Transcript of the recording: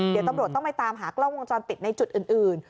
เดี๋ยวตำรวจต้องไปตามหากล้องวงจรปิดในจุดอื่น